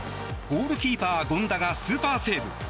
ゴールキーパー、権田がスーパーセーブ。